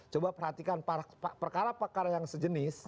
coba perhatikan perkara perkara yang sejenis